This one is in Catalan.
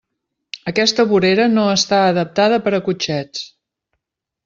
Aquesta vorera no està adaptada per a cotxets.